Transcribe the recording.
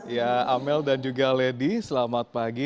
ya amel dan juga lady selamat pagi